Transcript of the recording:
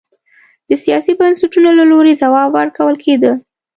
د سیاسي بنسټونو له لوري ځواب ورکول کېده.